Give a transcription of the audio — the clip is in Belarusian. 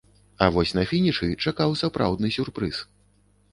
А вось на фінішы чакаў сапраўдны сюрпрыз.